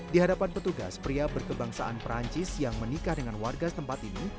di hadapan petugas pria berkebangsaan perancis yang menikah dengan warga setempat ini